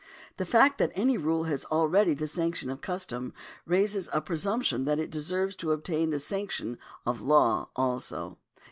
The fact that any rule has already the sanction of custom raises a presumption that it deserves to obtain the sanction of law also.